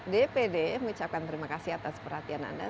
dpd mengucapkan terima kasih atas perhatian anda